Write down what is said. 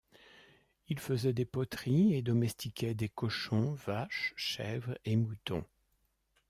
Ils faisaient des poteries et domestiquaient des cochons, vaches, chèvres et moutons.